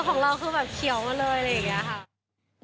ของเราคือแบบเขียวมาเลยอะไรอย่างนี้ค่ะ